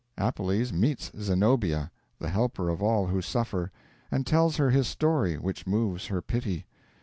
Appelles meets Zenobia, the helper of all who suffer, and tells her his story, which moves her pity.